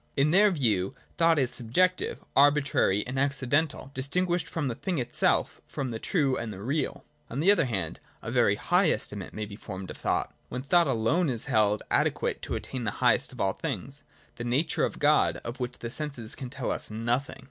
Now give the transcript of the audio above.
In their view thought is subjective, arbitrary and accidental — distinguished from the thing itself, from the true and the real. On the other hand, a very high estimate may be formed of thought ; when thought alone is held adequate to attain the highest of all things, the nature of God, of which the senses can tell us nothing.